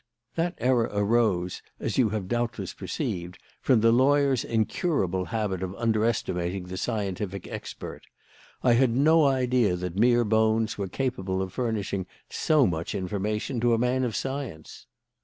That error arose, as you have doubtless perceived, from the lawyer's incurable habit of underestimating the scientific expert. I had no idea that mere bones were capable of furnishing so much information to a man of science.